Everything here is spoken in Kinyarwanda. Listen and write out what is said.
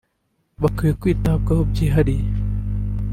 bakwiriye kwitabwaho byihariye